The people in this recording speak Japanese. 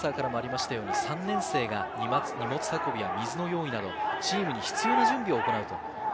３年生が荷物運びや水の用意など、チームに必要な準備を行う。